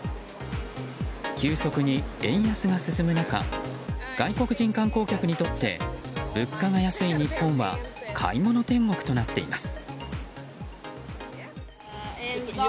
急速に円安が進む中外国人観光客にとって物価が安い日本は買い物天国となっています。